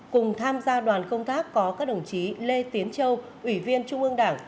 cùng tham gia đoàn công tác có các đồng chí lê tiến châu ủy viên trung ương đảng